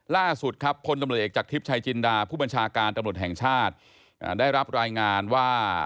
ล่าสุดครับพลตำรวจเอกจากทิพย์ชายจินดาผู้บัญชาการตำรวจแห่งชาติได้รับรายงานว่า